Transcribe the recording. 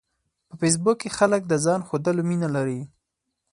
په فېسبوک کې خلک د ځان ښودلو مینه لري